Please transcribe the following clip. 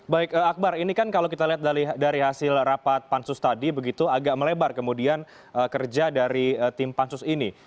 baik akbar ini kan kalau kita lihat dari hasil rapat pansus tadi begitu agak melebar kemudian kerja dari tim pansus ini